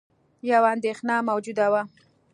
یوه اندېښنه موجوده وه